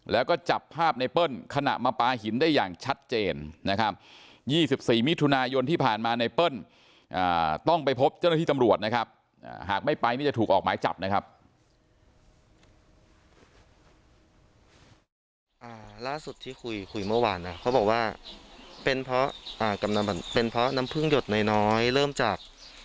ต้องไปพบเจ้าหน้าที่ตำรวจหากไม่ไปจะถูกถูกออกไม้จับ